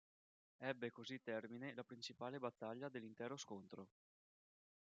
Ebbe così termine la principale battaglia dell'intero scontro.